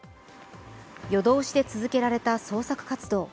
夜通しで続けられた捜索活動。